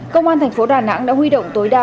công an thành phố đà nẵng đã huy động tối đa